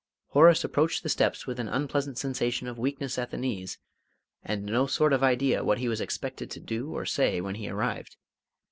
Horace approached the steps with an unpleasant sensation of weakness at the knees, and no sort of idea what he was expected to do or say when he arrived.